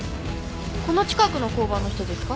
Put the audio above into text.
この近くの交番の人ですか？